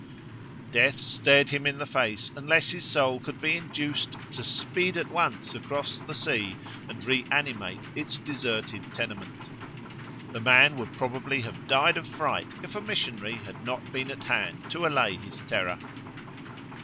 Death stared him in the face unless his soul could be induced to speed at once across the sea and reanimate its deserted tenement. The man would probably have died of fright if a missionary had not been at hand to allay his terror.